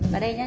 và đây nhá